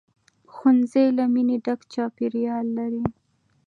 ښوونځی له مینې ډک چاپېریال لري